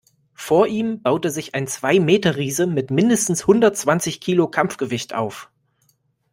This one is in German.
Vor ihm baute sich ein Zwei-Meter-Riese mit mindestens hundertzwanzig Kilo Kampfgewicht auf.